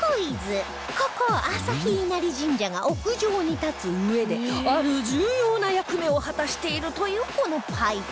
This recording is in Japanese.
ここ朝日稲荷神社が屋上に立つうえである重要な役目を果たしているというこのパイプ